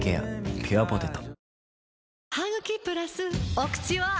お口は！